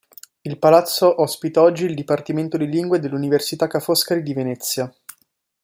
Il palazzo ospita oggi il dipartimento di lingue dell'Università Ca' Foscari di Venezia.